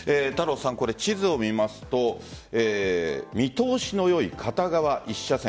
地図を見ますと見通しの良い片側１車線。